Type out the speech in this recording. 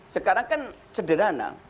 sekarang kan cederhana